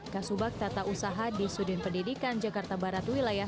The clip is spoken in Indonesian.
kasubag tata usaha di sudin pendidikan jakarta barat wilayah